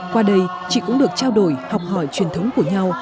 qua đây chị cũng được trao đổi học hỏi truyền thống của nhau